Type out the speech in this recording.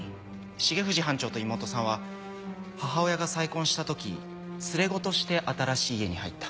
重藤班長と妹さんは母親が再婚した時連れ子として新しい家に入った。